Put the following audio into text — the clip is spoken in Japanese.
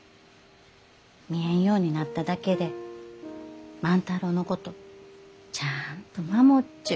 見えんようになっただけで万太郎のことちゃあんと守っちゅう。